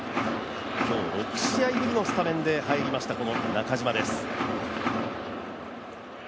今日、６試合ぶりのスタメンで入りました、この中島です。